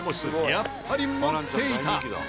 やっぱり持っていた。